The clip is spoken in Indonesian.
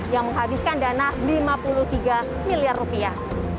yang menghabiskan dana lima puluh tiga miliar rupiah